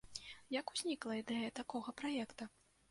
Як узнікла ідэя такога праекта?